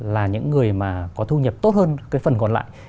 là những người mà có thu nhập tốt hơn cái phần còn lại